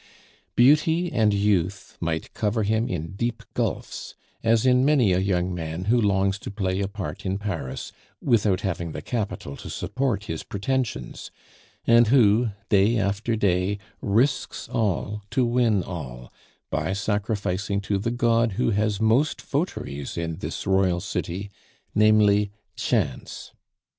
Beauty and youth might cover him in deep gulfs, as in many a young man who longs to play a part in Paris without having the capital to support his pretensions, and who, day after day, risks all to win all, by sacrificing to the god who has most votaries in this royal city, namely, Chance.